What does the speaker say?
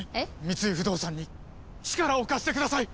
三井不動産に力を貸してください！